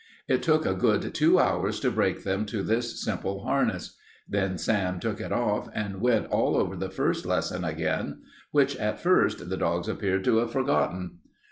It took a good two hours to break them to this simple harness. Then Sam took it off and went all over the first lesson again, which at first the dogs appeared to have forgotten.